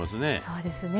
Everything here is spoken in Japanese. そうですね。